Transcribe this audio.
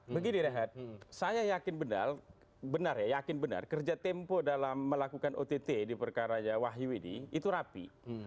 begini rehat saya yakin benar benar ya yakin benar kerja tempo dalam melakukan ott di perkaranya wahyu ini itu rapi